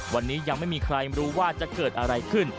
วันนี้ยังไม่มีใครรู้ว่าจะเกิดอะไรขึ้น